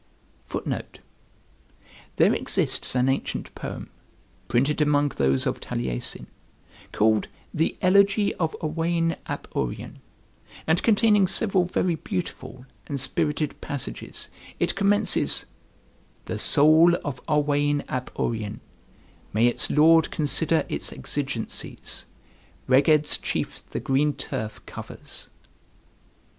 [Footnote: There exists an ancient poem, printed among those of Taliesin, called the "Elegy of Owain ap Urien," and containing several very beautiful and spirited passages It commences "The soul of Owain ap Urien, May its Lord consider its exigencies' Reged's chief the green turf covers."